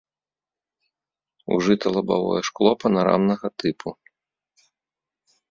Ужыта лабавое шкло панарамнага тыпу.